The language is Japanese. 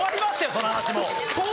その話もう。